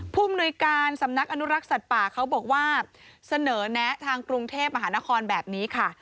ภูมิหน่วยการสำนักอนุรักษ์สัตว์ป่าเขาบอกว่าเสนอแนะทางกรุงเทพมหานครแบบนี้ค่ะ